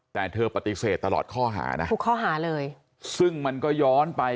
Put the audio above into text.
แต่เธอปฏิเสธตลอดข้อหานะทุกข้อหาเลยซึ่งมันก็ย้อนไป